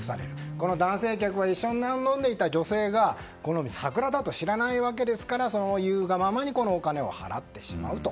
この男性客は一緒に飲んでいた女性がこのサクラだと知らないわけですからお金を払ってしまうと。